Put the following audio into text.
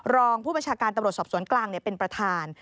รองผู้บัญชาการตำรวจสอบสวนกลางเป็นประธาน